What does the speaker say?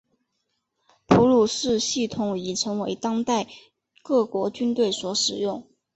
普鲁士系统已为当代各国军队所使用。